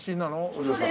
お嬢さん。